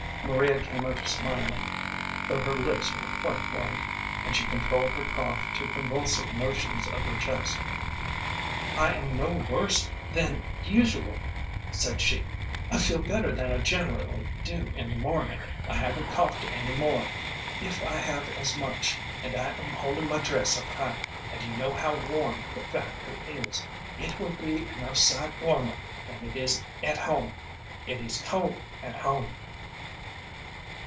Maria came up smiling, though her lips were quite white, and she controlled her cough to convulsive motions of her chest. "I am no worse than usual," said she. "I feel better than I generally do in the morning. I haven't coughed any more, if I have as much, and I am holding my dress up high, and you know how warm the factory is. It will be enough sight warmer than it is at home. It is cold at home."